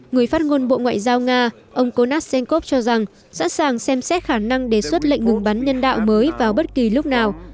người phát ngôn bộ ngoại giao nga ông konashenkov cho rằng sẵn sàng xem xét khả năng đề xuất lệnh ngừng bắn nhân đạo mới vào bất kỳ lúc nào